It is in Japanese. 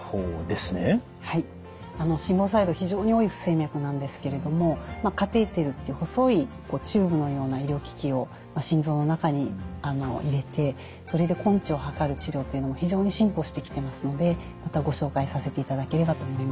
非常に多い不整脈なんですけれどもカテーテルっていう細いチューブのような医療機器を心臓の中に入れてそれで根治を図る治療というのも非常に進歩してきてますのでまたご紹介させていただければと思います。